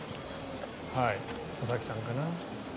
佐々木さんかな。